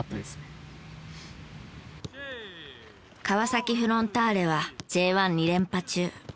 川崎フロンターレはＪ１２連覇中。